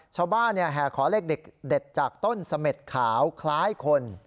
ชาวบ้านเนี่ยแห่ขอเลขเด็ดจากต้นสะเม็ดขาวคล้ายคน